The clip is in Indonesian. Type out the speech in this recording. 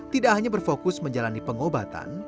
tidak hanya berfokus menjalani pengobatan